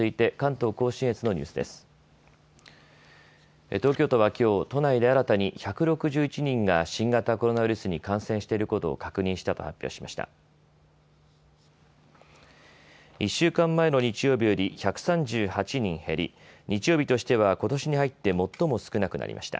東京都はきょう都内で新たに１６１人が新型コロナウイルスに感染していることを確認したと発表しました。